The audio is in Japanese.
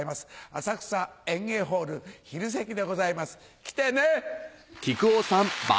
浅草演芸ホール昼席でございます来てね！